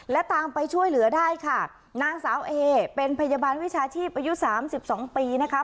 และตามไปช่วยเหลือได้ค่ะนางสาวเอเป็นพยาบาลวิชาชีพอายุสามสิบสองปีนะคะ